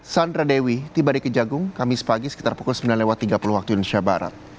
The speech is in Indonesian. sandra dewi tiba di kejagung kamis pagi sekitar pukul sembilan tiga puluh waktu indonesia barat